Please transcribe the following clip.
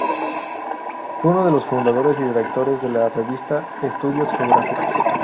Fue uno de los fundadores y directores de la revista Estudios Geográficos.